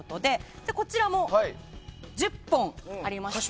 そして、こちらも１０本ありまして。